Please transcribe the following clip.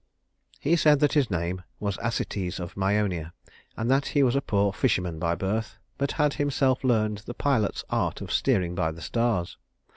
He said that his name was Acetes of Mæonia, and that he was a poor fisherman by birth, but had himself learned the pilot's art of steering by the stars.